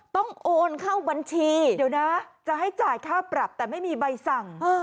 โอนเข้าบัญชีเดี๋ยวนะจะให้จ่ายค่าปรับแต่ไม่มีใบสั่ง